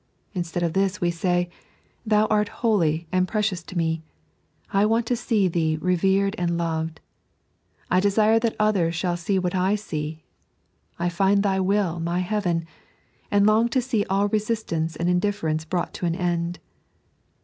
Instead of this we eay: "Thou art holy and precious to me; I want to see Thee revered and loved ; I desire that others shall see what I Bee ; I find Thy will my heaven, and long to see all re sistance and indifiereuce brought to an end."